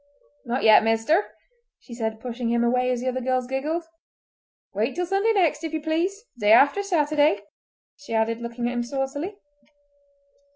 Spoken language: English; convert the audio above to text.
"Not yet, mister!" she said, pushing him away, as the other girls giggled. "Wait till Sunday next, if you please—the day after Saturday!" she added, looking at him saucily.